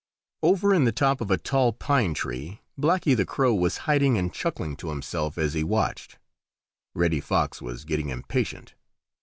Over in the top of a tall pine tree Blacky the Crow was hiding and chuckling to himself as he watched. Reddy Fox was getting impatient.